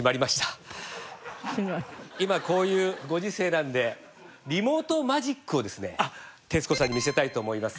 今こういうご時世なのでリモートマジックをですね徹子さんに見せたいと思います。